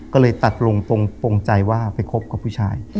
ก็เลยตัดลงตรงใจว่าไปคบกับผู้ชาย